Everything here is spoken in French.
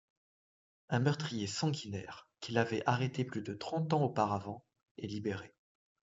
Un meurtrier sanguinaire qu'il avait arrêté plus de trente ans auparavant est libéré...